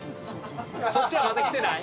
そっちはまだきてない？